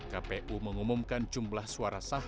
kpu mengumumkan jumlah suara sah